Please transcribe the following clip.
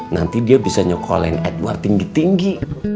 nanti dia bisa nyokolain edward tinggi tinggi